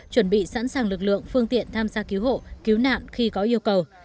chuẩn bị sẵn sàng lực lượng phương tiện tham gia cứu hộ cứu nạn khi có yêu cầu